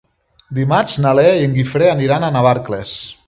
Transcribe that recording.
Dimarts na Lea i en Guifré aniran a Navarcles.